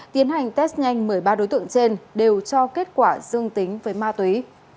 tiến hành test nhanh một mươi ba đối tượng trên đều cho kết quả dương tính với ma túy